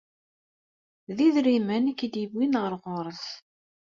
D idrimen i k-id-yewwin ar ɣur-s.